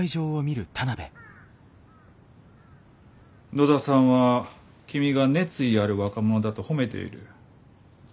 野田さんは君が熱意ある若者だと褒めている。